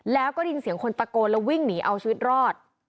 แล้วก็ได้ยินเสียงคนตะโกนแล้ววิ่งหนีเอาชีวิตรอด